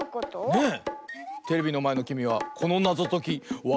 ねえ。